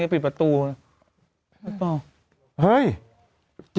สวัสดีครับคุณผู้ชม